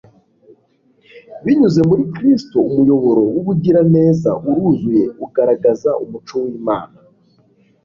Binyuze muri Kristo umuyoboro w'ubugiraneza uruzuye ugaragaza umuco w'Imana,